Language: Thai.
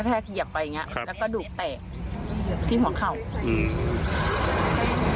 เหยียบไปอย่างเงี้ครับแล้วก็ดูกแตกที่หัวเข่าอืม